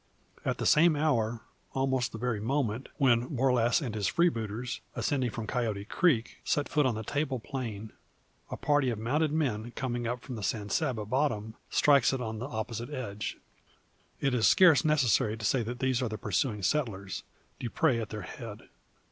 At the same hour, almost the very moment, when Borlasse and his freebooters, ascending from Coyote Creek, set foot on the table plain, a party of mounted men, coming up from the San Saba bottom, strikes it on the opposite edge. It is scarce necessary to say that these are the pursuing settlers. Dupre at their head.